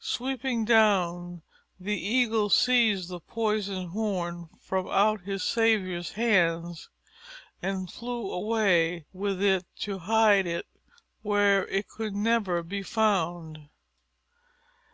Sweeping down, the Eagle seized the poisoned horn from out his savior's hands, and flew away with it to hide it where it could never be found.